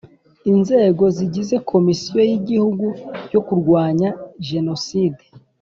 Inzego zigize Komisiyo yigihugu yo Kurwanya Jenoside